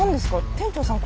店長さん